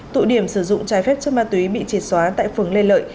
tụ điểm sử dụng trái phép chất ma túy bị triệt xóa tại phường lê lợi